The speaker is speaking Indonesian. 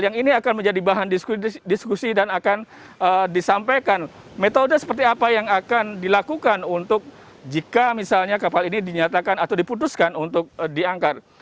yang ini akan menjadi bahan diskusi dan akan disampaikan metode seperti apa yang akan dilakukan untuk jika misalnya kapal ini dinyatakan atau diputuskan untuk diangkat